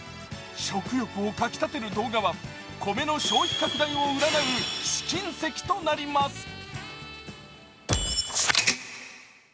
食欲をかきたてる動画は米の消費拡大を占う試金石となります。